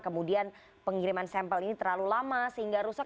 kemudian pengiriman sampel ini terlalu lama sehingga rusak